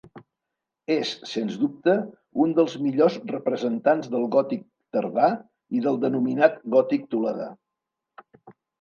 És, sens dubte, un dels millors representants del gòtic tardà i del denominat gòtic toledà.